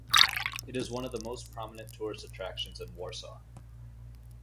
It is one of the most prominent tourist attractions in Warsaw.